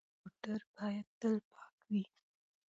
موټر باید تل پاک وي.